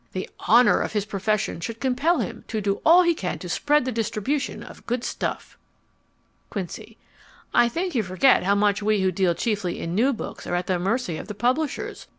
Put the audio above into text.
The honour of his profession should compel him to do all he can to spread the distribution of good stuff. QUINCY I think you forget how much we who deal chiefly in new books are at the mercy of the publishers.